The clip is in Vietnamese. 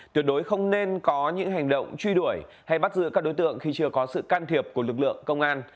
tuyệt đối không nên có những hành động truy đuổi hay bắt giữ các đối tượng khi chưa có sự can thiệp của lực lượng công an